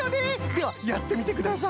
ではやってみてください。